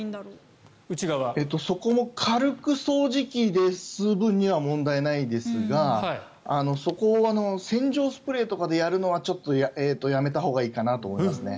そこも軽く掃除機で吸う分には問題ないですがそこを洗浄スプレーとかでやるのはちょっとやめたほうがいいかなと思いますね。